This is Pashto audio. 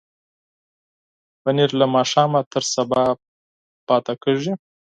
پنېر له ماښامه تر سبا پاتې کېږي.